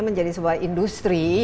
menjadi sebuah industri